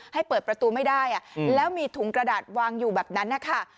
ให้เปิดประตูไม่ได้แล้วมีถุงกระดาษวางอยู่แบบนั้นนะคะ